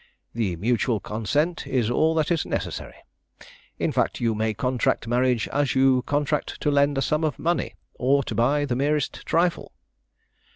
The mutual consent is all that is necessary. In fact, you may contract marriage as you contract to lend a sum of money, or to buy the merest trifle."